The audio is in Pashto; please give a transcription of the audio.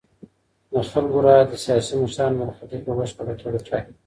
د خلګو رايه د سياسي مشرانو برخليک په بشپړه توګه ټاکي.